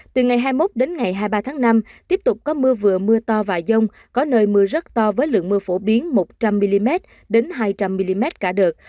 từ ngày hai mươi một đến ngày hai mươi ba tháng năm tiếp tục có mưa vừa mưa to và dông có nơi mưa rất to với lượng mưa phổ biến một trăm linh mm đến hai trăm linh mm cả đợt